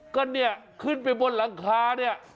ก็เนี่ยขึ้นไปบนหลังคาเนี่ย